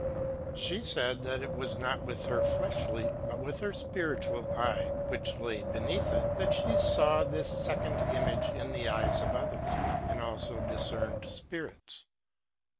She said, that it was not with her fleshly, but with her spiritual eye, which lay beneath it, that she saw this second image in the eyes of others, and also dis cerned spirits.